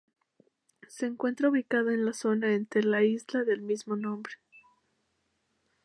Se encuentra ubicada en la zona este de la isla del mismo nombre.